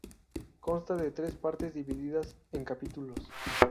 Consta de tres partes divididas en capítulos.